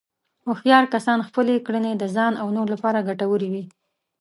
هوښیار کسان خپلې کړنې د ځان او نورو لپاره ګټورې وي.